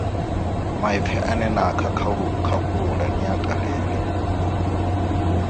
Maipfi e na khakhulula ni a talele.